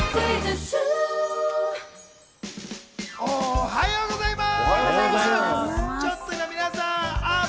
おはようございます。